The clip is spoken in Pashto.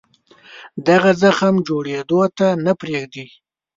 دغه زخم جوړېدو ته نه پرېږدي.